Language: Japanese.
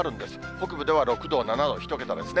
北部では６度、７度、１桁ですね。